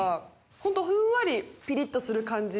ホントふんわりピリっとする感じ？